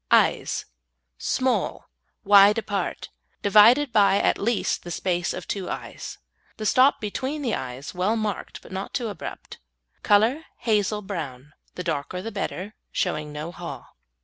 EYES Small, wide apart, divided by at least the space of two eyes. The stop between the eyes well marked, but not too abrupt. Colour hazel brown, the darker the better, showing no haw.